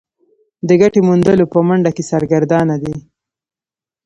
د ګټې موندلو په منډه کې سرګردانه دي.